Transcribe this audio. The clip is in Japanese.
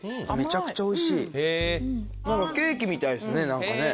ケーキみたいですね何かね。